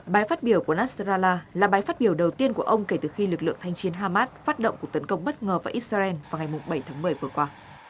bài phát biểu của nasrallah là bài phát biểu đầu tiên của ông kể từ khi lực lượng thanh chiến hamas phát động cuộc tấn công bất ngờ vào israel vào ngày bảy tháng một mươi vừa qua